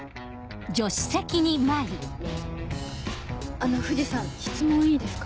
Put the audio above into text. あの藤さん質問いいですか？